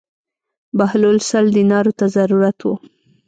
بهلول سل دینارو ته ضرورت و.